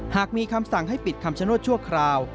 หากมีคำสั่งให้ปิดคำชโนธชั่วคราว